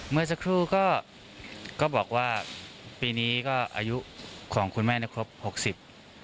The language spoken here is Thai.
เมื่อสักครู่ก็บอกว่าปีนี้ก็อายุของคุณแม่นะครับ๖๐